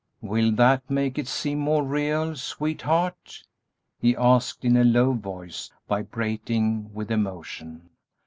"Will that make it seem more real, sweetheart?" he asked, in a low voice vibrating with emotion.